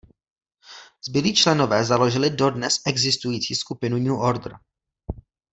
Zbylí členové založili dodnes existující skupinu New Order.